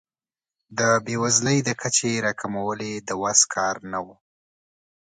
د بیوزلۍ د کچې راکمول یې له وس کار نه و.